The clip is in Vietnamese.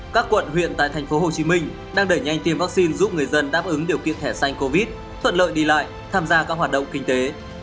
các quận huyện tại tp hcm đang đẩy nhanh tiêm vaccine giúp người dân đáp ứng điều kiện thẻ xanh covid thuận lợi đi lại tham gia các hoạt động kinh tế